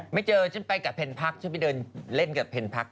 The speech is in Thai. ไม่เจอเชินไปกับเพรมพรรดิไปเดินแล้นกับเพรมพรรดด